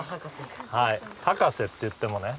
ハカセって言ってもね